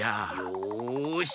よし！